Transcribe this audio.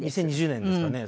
２０２０年ですかね。